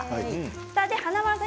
華丸さん